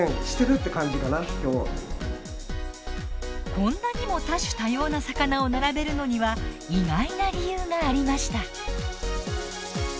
こんなにも多種多様な魚を並べるのには意外な理由がありました。